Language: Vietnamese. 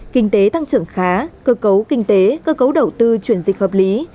kinh tế tăng trưởng khá cơ cấu kinh tế cơ cấu đầu tư chuyển dịch hợp lý